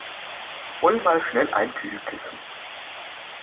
Hol mal schnell ein Kühlkissen!